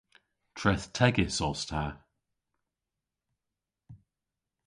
Trethtegys os ta.